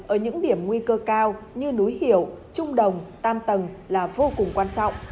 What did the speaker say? ở những điểm nguy cơ cao như núi hiểu trung đồng tam tầng là vô cùng quan trọng